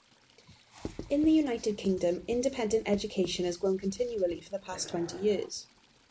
In the United Kingdom, independent education has grown continually for the past twenty years.